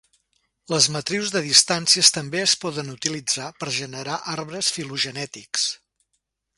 Les matrius de distàncies també es poden utilitzar per generar arbres filogenètics.